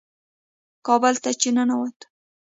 کابل ته چې ننوتو.